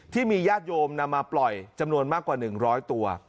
ที่มีญาติโยมนำมาปล่อยจำนวนมากกว่า๑๐๐ตัว